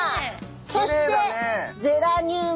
そしてゼラニウム。